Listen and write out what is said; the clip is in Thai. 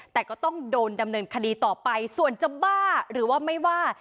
แต่ก็ต้องโดนดำเนินคดีต่อไปส่วนจะบ้าหรือว่าไม่ว่า